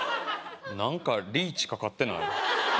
何かリーチかかってない？